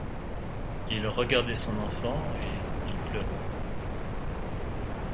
Il regardait son enfant, et il pleurait.